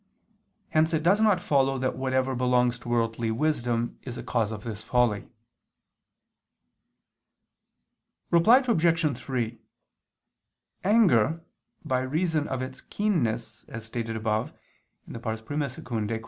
Hence it does not follow that whatever belongs to worldly wisdom, is a cause of this folly. Reply Obj. 3: Anger by reason of its keenness, as stated above (I II, Q.